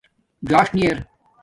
ژاݽ نی ار